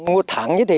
một tháng như thế